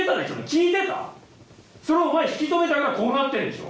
聞いてた⁉それをお前引き止めたからこうなってんでしょ！